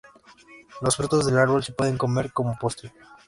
Los frutos del árbol se pueden comer como postre.